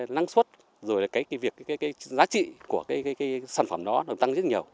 năng suất rồi là cái việc cái giá trị của cái sản phẩm đó nó tăng rất nhiều